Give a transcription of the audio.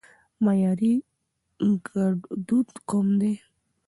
معياري ګړدود کوم دي؟